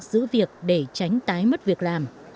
giữ việc để tránh tái mất việc làm